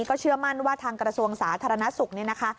ก็เชื่อมั่นว่าทางกระทรวงสาธารณสุขนี่นะคะ